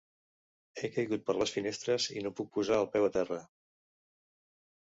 He caigut per les finestres i no puc posar el peu a terra.